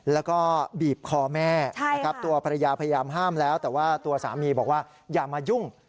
แล้วก็บีบคอแม่นะครับตัวภรรยาพยายามห้ามแล้วแต่ว่าตัวสามีบอกว่าอย่ามายุ่ง